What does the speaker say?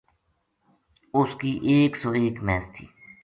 اس کی ایک سو ایک مھیس تھی